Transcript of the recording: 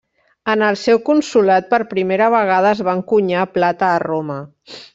En el seu consolat, per primera vegada es va encunyar plata a Roma.